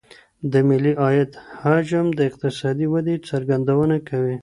د ملي عايد حجم د اقتصادي ودي څرګندونه کوي.